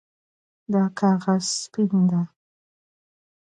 دا کاغذ سپین ده